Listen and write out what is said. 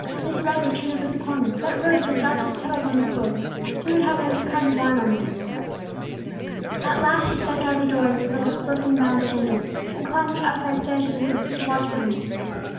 This rug was turned up at the corner; that rose had dropped its petals on the floor. She would have another kind of wine on the table. At last she stepped out of the door in her little silken bound sandals, and climbed the outside stairs to the roof, to watch for him.